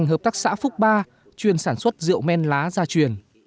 hợp tác xã phúc ba chuyên sản xuất rượu men lá gia truyền